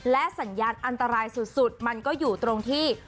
และสัญญาณอันตรายสุดมันก็อยู่ตรงที่